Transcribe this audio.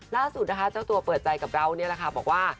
ล่าสุดนะคะเจ้าตัวเปิดใจกับเรานี่แหละค่ะบอกว่า